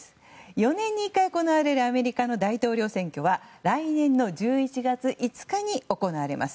４年に１回、行われるアメリカの大統領選挙は来年１１月５日に行われます。